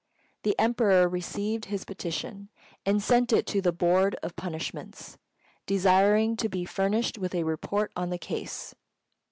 The Emperor received his petition, and sent it to the Board of Punishments, desiring to be furnished with a report on the case.